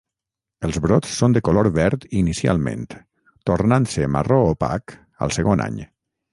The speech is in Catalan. Els brots són de color verd inicialment, tornant-se marró opac al segon any.